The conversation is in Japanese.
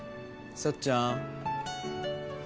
さっちゃん